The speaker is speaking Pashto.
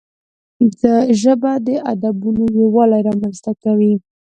ژبه د ادبونو یووالی رامنځته کوي